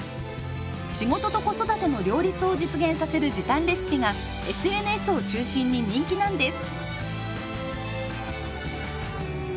仕事と子育ての両立を実現させる時短レシピがＳＮＳを中心に人気なんです。